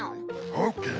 オーケー！